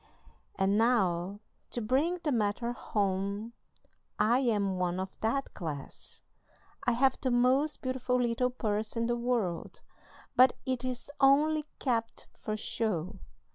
And now, to bring the matter home, I am one of that class. I have the most beautiful little purse in the world, but it is only kept for show.